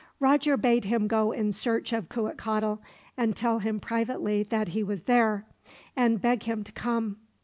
Roger bade him go in search of Cuitcatl, and tell him privately that he was there, and beg him to come.